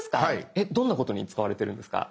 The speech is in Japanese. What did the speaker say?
えっどんなことに使われてるんですか？